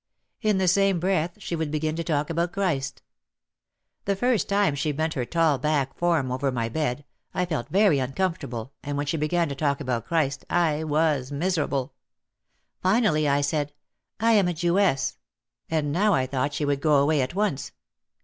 In the same breath she would begin to talk about Christ. The first time she bent her tall black form over my bed I felt very uncomfortable and when she began to talk about Christ I felt miserable. Finally I said, "I am a Jewess," and now I thought she would go away at once.